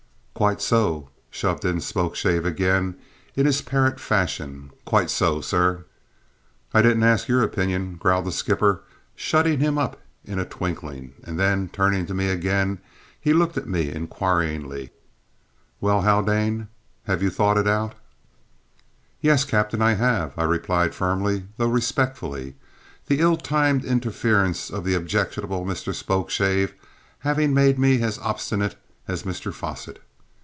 "Quite so," shoved in Spokeshave again in his parrot fashion; "quite so, sir." "I didn't ask your opinion," growled the skipper, shutting him up in a twinkling; and then, turning to me again, he looked at me inquiringly. "Well, Haldane, have you thought it out?" "Yes, captain, I have," I replied firmly, though respectfully, the ill timed interference of the objectionable Mr Spokeshave having made me as obstinate as Mr Fosset.